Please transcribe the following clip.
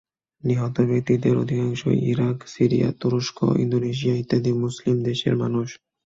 নিহত ব্যক্তিদের অধিকাংশই ইরাক, সিরিয়া, তুরস্ক, ইন্দোনেশিয়া ইত্যাদি মুসলিম দেশের মানুষ।